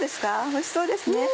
おいしそうですね。